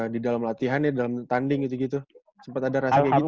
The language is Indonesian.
di dalam latihan ya dalam tanding gitu gitu sempat ada rasa kayak gitu